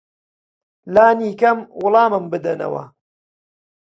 لانی کەم وەڵامم بدەنەوە.